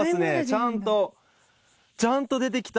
ちゃんとちゃんと出てきた！